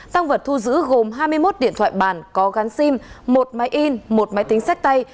tăng vật thu giữ gồm hai mươi một điện thoại bản có gắn sim một máy in một máy tính sách tay